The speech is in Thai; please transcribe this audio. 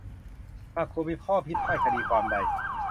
หากคุณมีข้อพิพาทคดีความใด